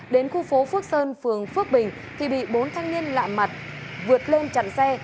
đến khu phố phước sơn phường phước bình thì bị bốn thanh niên lạ mặt vượt lên chặn xe